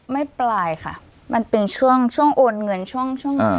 ไม่ปลายค่ะมันเป็นช่วงช่วงโอนเงินช่วงช่วง